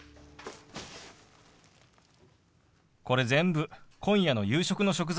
これ全部今夜の夕食の食材。